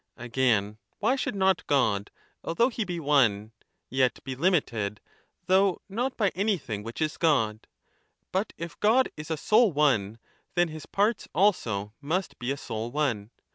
Again, why should not God, although he be one, yet be limited, though not by any 978 b thing which is God. But if God is a sole one, then his parts also must be a sole one.